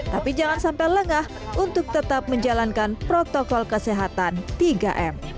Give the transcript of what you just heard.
tapi jangan sampai lengah untuk tetap menjalankan protokol kesehatan tiga m